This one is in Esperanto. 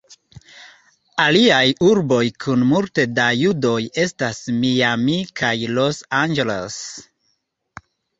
Aliaj urboj kun multe da judoj estas Miami kaj Los Angeles.